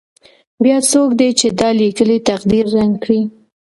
بیا څوک دی چې دا لیکلی تقدیر ړنګ کړي.